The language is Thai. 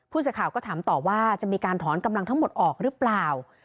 สื่อข่าวก็ถามต่อว่าจะมีการถอนกำลังทั้งหมดออกหรือเปล่า